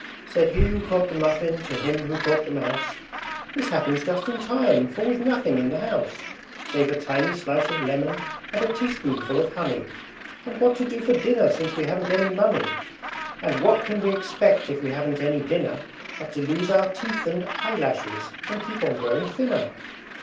Said he who caught the Muffin to him who caught the Mouse, "This happens just in time! For we've nothing in the house, Save a tiny slice of lemon and a teaspoonful of honey, And what to do for dinner since we haven't any money? And what can we expect if we haven't any dinner, But to lose our teeth and eyelashes and keep on growing thinner?"